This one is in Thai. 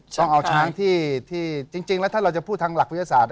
ต้องเอาช้างที่จริงแล้วถ้าเราจะพูดทางหลักวิทยาศาสต